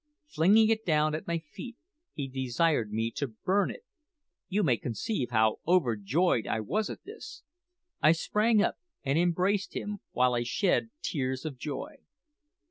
Flinging it down at my feet, he desired me to burn it! "You may conceive how overjoyed I was at this. I sprang up and embraced him, while I shed tears of joy.